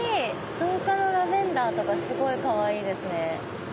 造花のラベンダーとかすごいかわいいですね。